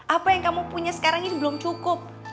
apa yang kamu punya sekarang ini belum cukup